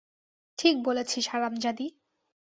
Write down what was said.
ঠিক বলেছিস, হারামজাদী!